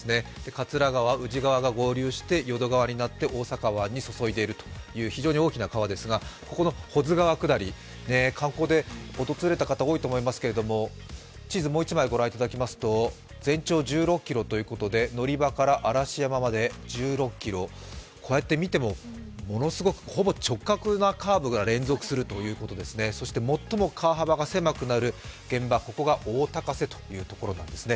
桂川、宇治川が合流して淀川になって大阪湾に注いでいるという非常に大きな川ですがここの保津川下り、観光で訪れた方多いと思いますけれども、地図をもう１枚ご覧いただきますと全長１６ｋｍということで、乗り場から嵐山まで１６ｋｍ、こうやって見てもものすご、ほぼ直角なカーブが連続するということですね、そして最も川幅が狭くなる現場が大高瀬というところなんですね。